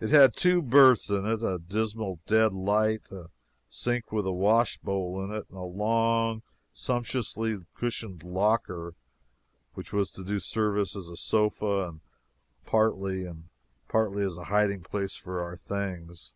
It had two berths in it, a dismal dead light, a sink with a washbowl in it, and a long, sumptuously cushioned locker, which was to do service as a sofa partly and partly as a hiding place for our things.